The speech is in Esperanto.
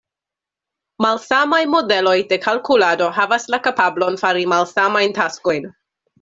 Malsamaj modeloj de kalkulado havas la kapablon fari malsamajn taskojn.